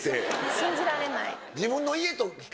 信じられない。